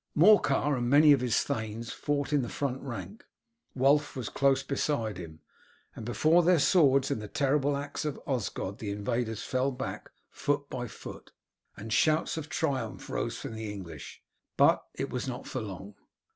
Morcar and many of his thanes fought in the front rank. Wulf was close beside him, and before their swords and the terrible axe of Osgod the invaders fell back foot by foot, and shouts of triumph rose from the English; but it was not for long.